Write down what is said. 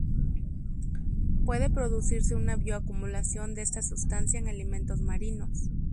Puede producirse una bioacumulación de esta sustancia en alimentos marinos.